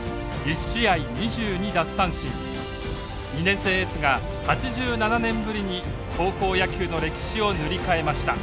２年生エースが８７年ぶりに高校野球の歴史を塗り替えました。